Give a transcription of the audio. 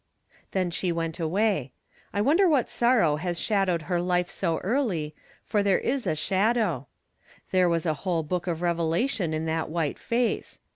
Then she went away. I wonder what sorrow has shadowed her life so early, for there is a shadow. There was a whole book of revelation in that white face.